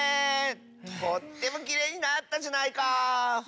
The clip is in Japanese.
とってもきれいになったじゃないか。